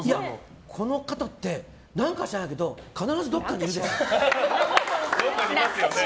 この方って何でか知らないけど必ずどっかにいるんですよ。